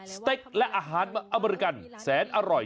สเต็กและอาหารอเมริกันแสนอร่อย